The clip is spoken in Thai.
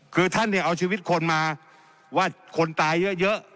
คือท่านเนี่ยเอาชีวิตคนมาว่าคนตายเยอะ